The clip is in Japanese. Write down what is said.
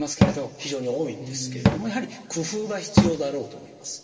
非常に多いんですけれどもやはり工夫が必要だろうと思います。